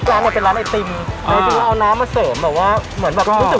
ร้านนี้เป็นร้านไอติมอ่าแล้วจึงเราเอาน้ำมาเสริมแบบว่าเหมือนแบบ